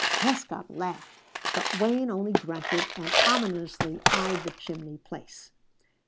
Prescott laughed, but Wayne only grunted and ominously eyed the chimney place.